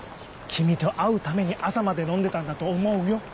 君と会うために朝まで飲んでたんだと思うよ。